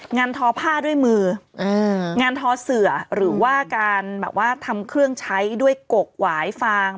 ทอผ้าด้วยมืองานทอเสือหรือว่าการแบบว่าทำเครื่องใช้ด้วยกกหวายฟาง